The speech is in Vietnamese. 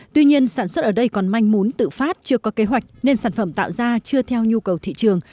tuy nhiên sản xuất ở đây còn manh muốn tự phát chưa có kế hoạch nên sản phẩm tạo ra chưa theo nhu cầu thị trường